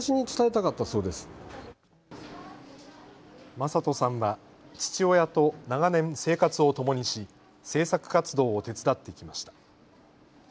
正人さんは父親と長年、生活をともにし制作活動を手伝ってきました。